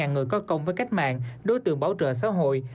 hai trăm sáu mươi người có công với cách mạng đối tượng bảo trợ xã hội